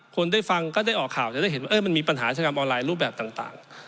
คนได้ฟังก็ได้ออกข่าวจะได้เห็นว่ามันมีปัญหาชะกรรมออนไลน์รูปแบบต่าง